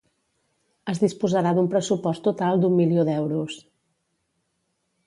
Es disposarà d'un pressupost total d'un milió d'euros.